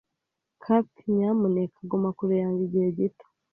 Cathy, nyamuneka guma kure yanjye igihe gito.